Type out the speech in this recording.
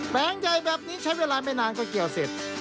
แปลงใหญ่แบบนี้ใช้เวลาไม่นานก็เกี่ยวเสร็จ